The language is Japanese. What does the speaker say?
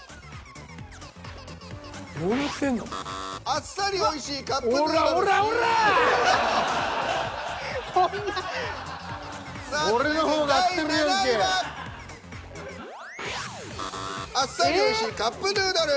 あっさりおいしいカップヌードル。